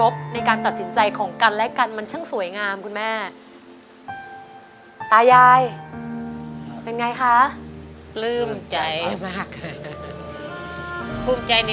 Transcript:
ภูมิใจในตัวเขานะครับ